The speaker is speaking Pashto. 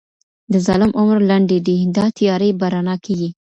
د ظالم عمر لنډی دی دا تیارې به رڼا کیږي